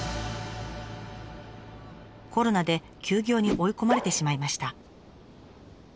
コロナで休業に追い込まれてしまいました。